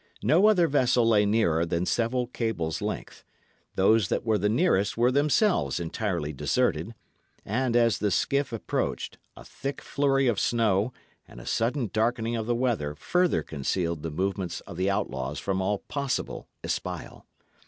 No other vessel lay nearer than several cables' length; those that were the nearest were themselves entirely deserted; and as the skiff approached, a thick flurry of snow and a sudden darkening of the weather further concealed the movements of the outlaws from all possible espial.